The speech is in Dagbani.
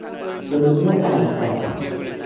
Bɛ niŋ o alaka.